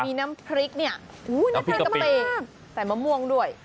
มีน้ำพริกนี่น้ำพริกกะเปรียบใส่มะม่วงด้วย